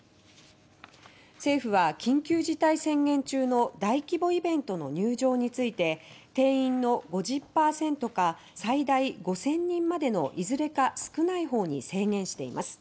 政府は、緊急事態宣言中の大規模イベントの入場について定員の５０％か最大５０００人までのいずれか少ない方に制限しています。